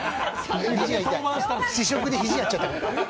試食で肘やっちゃったから。